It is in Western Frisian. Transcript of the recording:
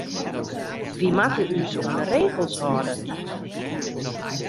Wy moatte ús oan de regels hâlde.